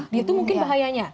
nah itu mungkin bahayanya